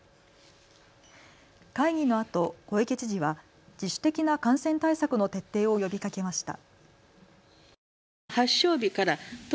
会議のあと小池知事は自主的な感染対策の徹底を呼びかけました。